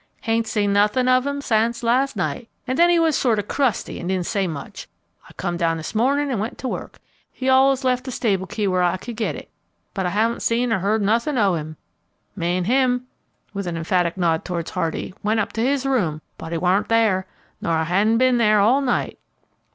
"Hain't seen nothin' of him sence las' night, an' then he was sorter crusty an' didn't say much. I come down this mornin' an' went to work, he allus left the stable key where I could get it, but I ham' t seen nor heard nothin' o' him. Me'n him," with an emphatic nod towards Hardy, "went up to his room, but he warn't there, nor hadn't ben there all night."